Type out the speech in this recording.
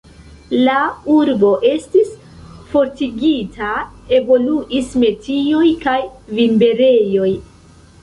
La urbo estis fortikigita, evoluis metioj kaj vinberejoj.